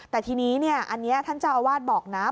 แต่ทีนี้อันนี้ท่านเจ้าอาวาสบอกนะ